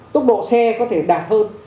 tốc độ xe có thể đạt hơn